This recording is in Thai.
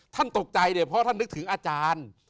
ตกใจเนี่ยเพราะท่านนึกถึงอาจารย์